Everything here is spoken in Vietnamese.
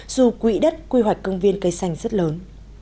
dù quỹ đất quy hoạch công viên cây xanh rất lớn